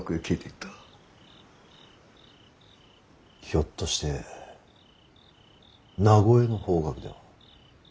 ひょっとして名越の方角では。